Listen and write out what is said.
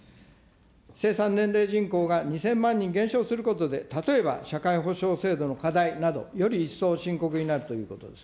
生産年齢人口が２０００万人減少することで、例えば、社会保障制度の課題など、より一層深刻になるということです。